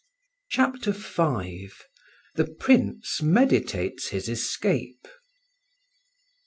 CHAPTER V THE PRINCE MEDITATES HIS ESCAPE.